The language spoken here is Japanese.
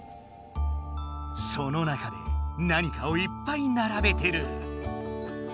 その中で何かをいっぱいならべてる！